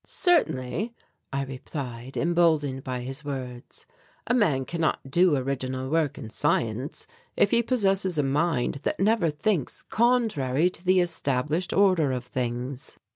"Certainly," I replied, emboldened by his words. "A man cannot do original work in science if he possesses a mind that never thinks contrary to the established order of things."